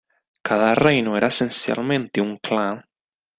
Cada reino era esencialmente un clan.